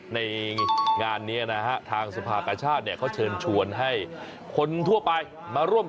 ในงานนี้นะฮะทางสภากชาติเนี่ยเขาเชิญชวนให้คนทั่วไปมาร่วม